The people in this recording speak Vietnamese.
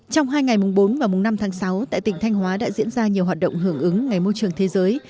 trong hai ngày mùng bốn và mùng năm tháng sáu tại tỉnh thanh hóa đã diễn ra nhiều hoạt động hưởng ứng ngày môi trường thế giới